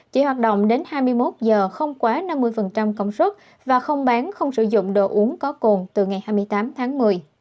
chỉ hoạt động đến hai mươi một giờ không quá năm mươi công suất và không bán không sử dụng đồ uống có cồn từ ngày hai mươi tám tháng một mươi